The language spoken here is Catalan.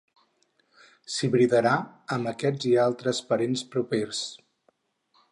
S'hibridarà amb aquests i altres parents propers.